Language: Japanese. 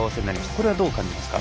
これは、どう感じますか？